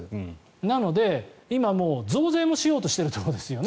なので、今、増税もしようとしているところですよね。